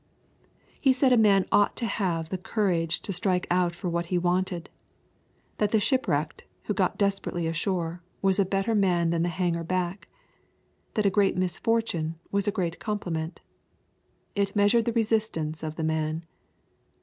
He said a man ought to have the courage to strike out for what he wanted; that the ship wrecked who got desperately ashore was a better man than the hanger back; that a great misfortune was a great compliment. It measured the resistance of the man.